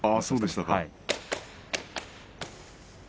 そうでしたか。